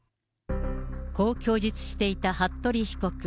こう供述していた服部被告。